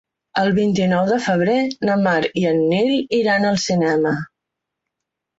El vint-i-nou de febrer na Mar i en Nil iran al cinema.